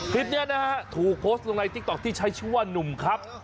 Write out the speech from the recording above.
คลิปนี้นะฮะถูกโพสต์ลงในติ๊กต๊อกที่ใช้ชื่อว่านุ่มครับ